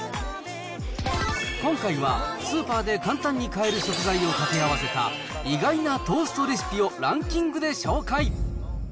今回は、スーパーで簡単に買える食材を掛け合わせた、意外なトーストレシピをランキングで紹介。